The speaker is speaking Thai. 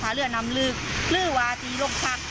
ถ้าเรื่องนำลึกหรือว่าทีลงทัก